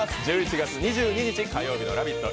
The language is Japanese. １１月２２日火曜日の「ラヴィット！」